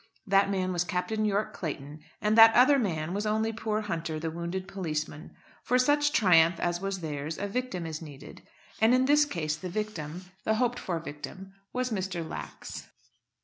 That man was Captain Yorke Clayton, and that other man was only poor Hunter, the wounded policeman. For such triumph as was theirs a victim is needed; and in this case the victim, the hoped for victim, was Mr. Lax.